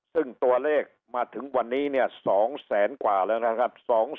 ซึ่งตัวเลขมาถึงวันนี้เนี่ย๒แสนกว่าแล้วนะครับ